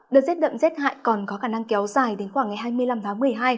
đợt rét đậm rét hại còn có khả năng kéo dài đến khoảng ngày hai mươi năm tháng một mươi hai